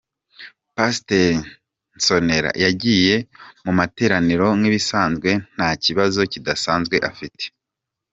Pasiteri Nsonera yagiye mu materaniro nk’ibisanzwe nta kibazo kidasanzwe afite.